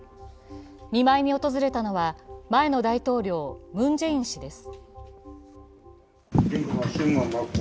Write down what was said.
見舞いに訪れたのは前の大統領、ムン・ジェイン氏です。